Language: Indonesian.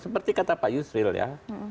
seperti kata pak yusril ya